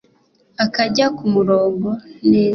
akajya ku murongo neza